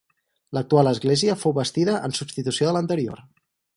L'actual església fou bastida en substitució de l'anterior.